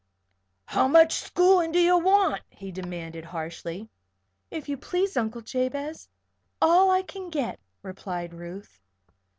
"How much schoolin' do you want?" he demanded, harshly. "If you please Uncle Jabez, all I can get," replied Ruth.